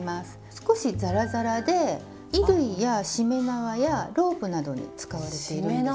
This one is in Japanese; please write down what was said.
少しザラザラで衣類やしめ縄やロープなどに使われているんですよ。